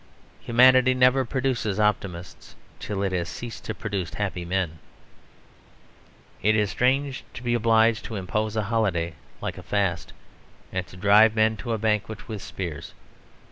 Humanity never produces optimists till it has ceased to produce happy men. It is strange to be obliged to impose a holiday like a fast, and to drive men to a banquet with spears.